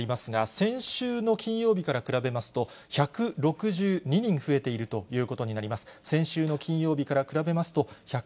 先週の金曜日から比べますと、１６２人増えているということになります。